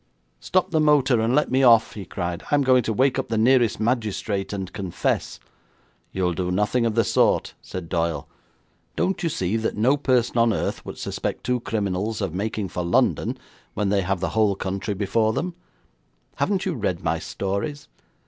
'Stop the motor and let me off,' he cried. 'I'm going to wake up the nearest magistrate and confess.' 'You'll do nothing of the sort,' said Doyle. 'Don't you see that no person on earth would suspect two criminals of making for London when they have the whole country before them? Haven't you read my stories?